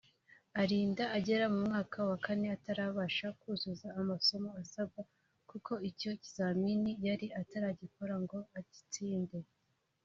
arinda agera mu mwaka wa kane atarabasha kuzuza amasomo asabwa kuko icyo kizamini yari ataragikora ngo agitsinde